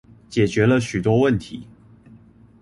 解決了許多問題